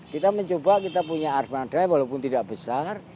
kita mencoba kita punya arf manada walaupun tidak besar